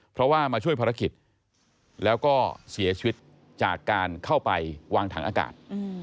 เพราะว่ามาช่วยภารกิจแล้วก็เสียชีวิตจากการเข้าไปวางถังอากาศ